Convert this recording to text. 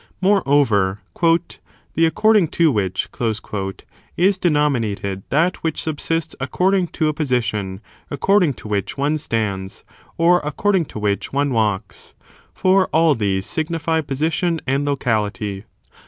Moreover, the according to which" is denominated that which subsists according to a position, according to' which one stands, or according to which one walks ; for all these signify position and locahty.